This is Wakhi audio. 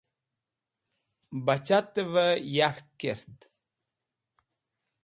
Bachatev yek̃hk kert.